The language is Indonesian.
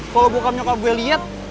kalau bokap nyokap gue liat